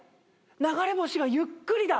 流れ星がゆっくりだ。